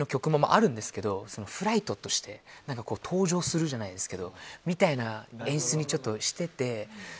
あるんですけどフライトとして搭乗するじゃないですけどみたいな演出にしてて。